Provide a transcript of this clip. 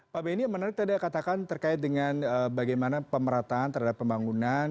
pak benny menarik tadi katakan terkait dengan bagaimana pemerataan terhadap pembangunan